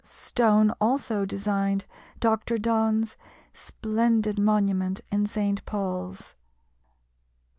Stone also designed Dr. Donne's splendid monument in St. Paul's.